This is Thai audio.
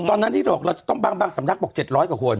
ตอนนั้นที่เราจะต้องบางสำนักบอก๗๐๐กว่าคน